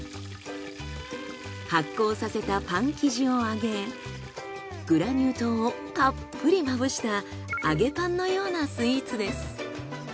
発酵させたパン生地を揚げグラニュー糖をたっぷりまぶした揚げパンのようなスイーツです。